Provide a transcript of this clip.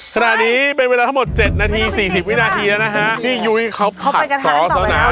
ขนาดนี้เป็นเวลาทั้งหมดเจ็ดนาทีสี่สิบวินาทีแล้วนะฮะพี่ยุ้ยเขาผัดซอสแล้วนะ